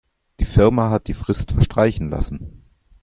Die Firma hat die Frist verstreichen lassen.